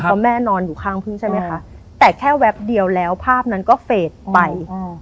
เพราะแม่นอนอยู่ข้างพึ่งใช่ไหมคะแต่แค่แป๊บเดียวแล้วภาพนั้นก็เฟสไป